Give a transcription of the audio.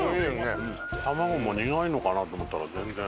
卵も苦いのかなと思ったら全然。